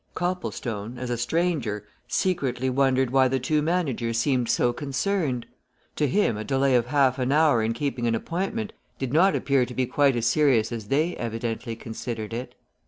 Copplestone, as a stranger, secretly wondered why the two managers seemed so concerned; to him a delay of half an hour in keeping an appointment did not appear to be quite as serious as they evidently considered it.